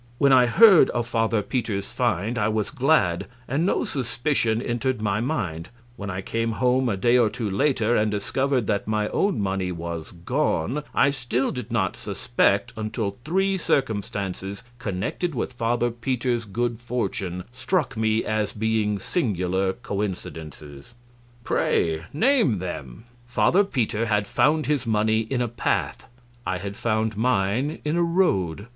When I heard of Father Peter's find I was glad, and no suspicion entered my mind; when I came home a day or two later and discovered that my own money was gone I still did not suspect until three circumstances connected with Father Peter's good fortune struck me as being singular coincidences. Q. Pray name them. A. Father Peter had found his money in a path I had found mine in a road.